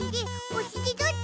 おしりどっち？